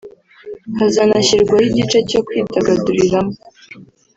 Hazanashyirwa igice cyo kwidagaduriramo